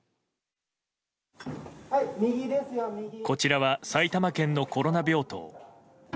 こちらは埼玉県のコロナ病棟。